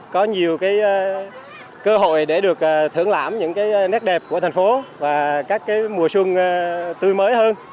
có nhiều cơ hội để được thưởng lãm những nét đẹp của thành phố và các mùa xuân tươi mới hơn